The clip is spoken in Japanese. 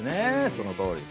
そのとおりですよ。